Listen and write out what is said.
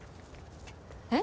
えっ？